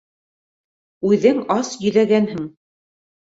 Үҙең ас йөҙәгәнһең.